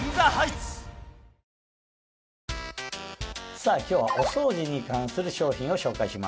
さぁ今日はお掃除に関する商品を紹介します。